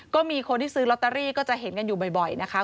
ก็มีคนที่ซื้อลอตเตอรี่ก็จะเห็นกันอยู่บ่อยนะคะ